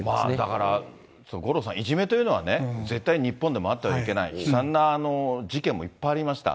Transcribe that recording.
だから五郎さん、いじめというのは絶対日本でもあってはいけない、悲惨な事件もいっぱいありました。